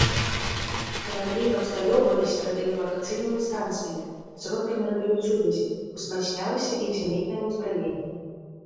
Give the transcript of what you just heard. Караблі абсталёўваліся радыёлакацыйнымі станцыямі, сродкамі радыёсувязі, узмацнялася іх зенітнае ўзбраенне.